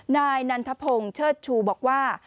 นายนันทพงศ์เชิดชูบอกว่า